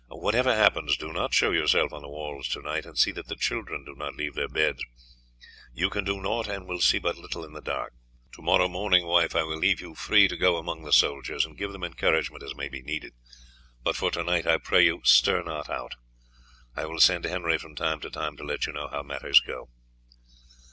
Whatever happens, do not show yourself on the walls to night, and see that the children do not leave their beds; you can do naught, and will see but little in the dark. To morrow morning, wife, I will leave you free to go among the soldiers and give them encouragement as may be needed, but for to night, I pray you stir not out. I will send Henry from time to time to let you know how matters go."